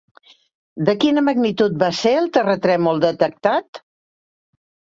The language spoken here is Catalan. De quina magnitud va ser el terratrèmol detectat?